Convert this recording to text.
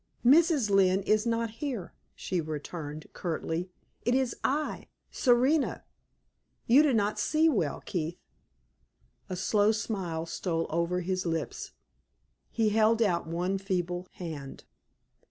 "Mrs. Lynne is not here," she returned, curtly. "It is I Serena. You do not see well, Keith!" A slow smile stole over his lips; he held out one feeble hand.